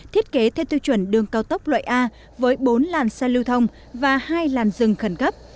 thiết kế theo tiêu chuẩn đường cao tốc loại a với bốn làn xe lưu thông và hai làn rừng khẩn cấp